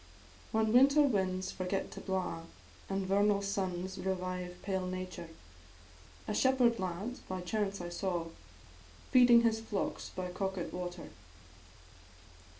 "_ Whan winter winds forget to blaw, An' vernal suns revive pale nature, A shepherd lad by chance I saw, Feeding his flocks by Coquet water.